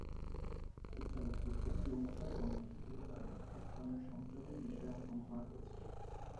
এই চলচ্চিত্রে যৌনতা এবং আধ্যাত্মিকতার মধ্যে একধরনের সংযোগের বিষয় অঙ্কন করা হয়েছে।